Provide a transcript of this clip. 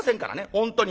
本当に。